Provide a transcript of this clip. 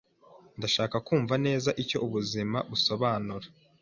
Ndashaka kumva neza icyo ubuzima busobanura.